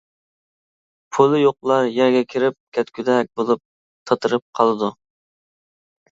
پۇلى يوقلار يەرگە كىرىپ كەتكۈدەك بولۇپ تاتىرىپ قالىدۇ.